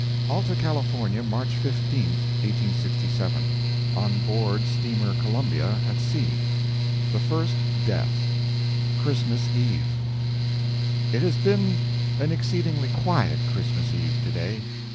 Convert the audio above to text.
Alta California, March 15, 1867 On board steamer COLUMBIA, at sea. THE FIRST DEATH CHRISTMAS EVE.—It has been an exceedingly quiet Christmas Eve, to day.